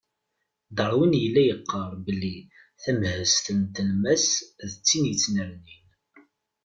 Darwin yella yeqqar belli tamhezt n telmas d tin yettnernin.